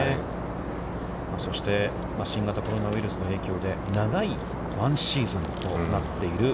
そして、新型コロナウイルスの影響で長い１シーズンとなっている